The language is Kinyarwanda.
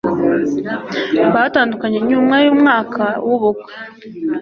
Batandukanye nyuma yumwaka wubukwe.